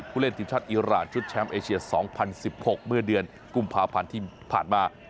เล่นทีมชาติอีรานชุดแชมป์เอเชีย๒๐๑๖เมื่อเดือนกุมภาพันธ์ที่ผ่านมา